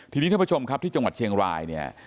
ทีนี้ท่านผู้ชมครับที่จังหวัดเชียงรายเนี่ย